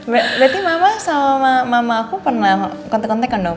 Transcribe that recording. berarti mama sama mama aku pernah kontak kontakan dong